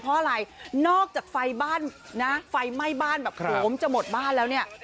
เพราะอะไรนอกจากไฟไม่บ้านโถมจะหมดบ้านแล้ว